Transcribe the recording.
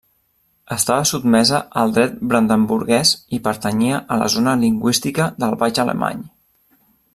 Estava sotmesa al dret brandenburguès i pertanyia a la zona lingüística del baix alemany.